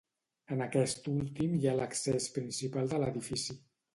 En aquest últim hi ha l'accés principal de l'edifici.